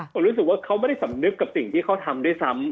ผมรู้สึกว่าเขาไม่ได้สำนึกกับสิ่งที่เขาทำด้วยซ้ำ